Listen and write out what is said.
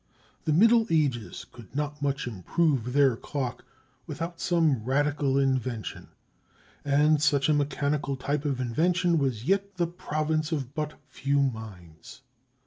The Middle Ages could not much improve their clock without some radical invention; and such a mechanical type of invention was yet the province of but few minds.